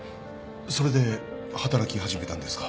それで働き始めたんですか？